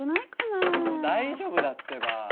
もう大丈夫だってば。